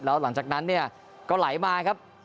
แล้วหลังจากนั้นเนี่ยก็ไหลมาครับ